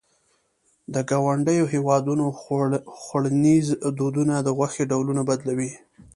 د ګاونډیو هېوادونو خوړنيز دودونه د غوښې ډولونه بدلوي.